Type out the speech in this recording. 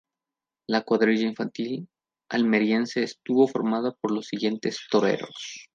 La cuadrilla infantil almeriense estuvo formada por los siguientes toreros.